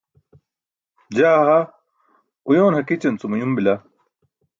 jaa ha uyoon hakićan cum uyum bila